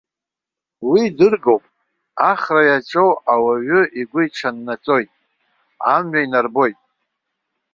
Уи дыргоуп, ахра иаҿоу ауаҩы игәы иҽаннаҵоит, амҩа инарбоит.